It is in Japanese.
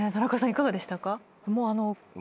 いかがでしたか？